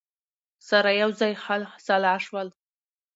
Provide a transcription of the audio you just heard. سره یوځای خلع سلاح شول